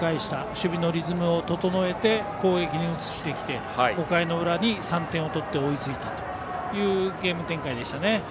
守備のリズムを整えて攻撃に移してきて５回の裏に３点を取って追いついたというゲーム展開でしたね。